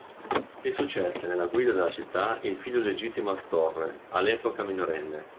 Gli successe nella guida della città il figlio legittimo Astorre, all'epoca minorenne.